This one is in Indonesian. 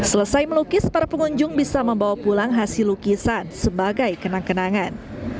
selesai melukis para pengunjung bisa membawa pulang hasil lukisan sebagai kenang kenangan